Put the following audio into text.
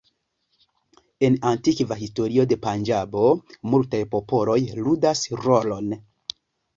En antikva historio de Panĝabo multaj popoloj ludas rolon.